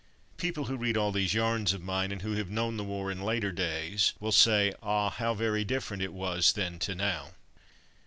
People who read all these yarns of mine, and who have known the war in later days, will say, "Ah, how very different it was then to now."